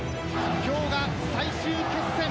今日が最終決戦。